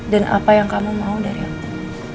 dan apa yang kamu mau dari aku